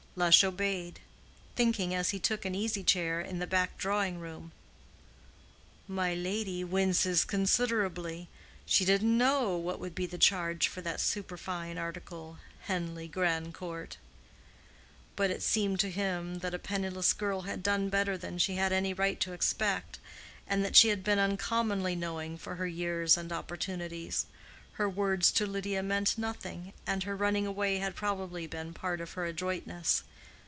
Lush obeyed, thinking as he took an easy chair in the back drawing room, "My lady winces considerably. She didn't know what would be the charge for that superfine article, Henleigh Grandcourt." But it seemed to him that a penniless girl had done better than she had any right to expect, and that she had been uncommonly knowing for her years and opportunities: her words to Lydia meant nothing, and her running away had probably been part of her adroitness.